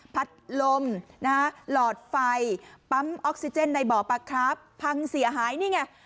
พัดลมนะฮะหลอดไฟปั๊มออกซิเจนในบ่อปลาครับพังเสียหายนี่ไง